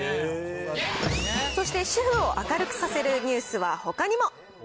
そして主婦を明るくさせるニュースはほかにも。